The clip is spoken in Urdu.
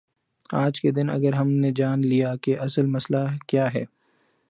آج کے دن اگر ہم نے جان لیا کہ اصل مسئلہ کیا ہے۔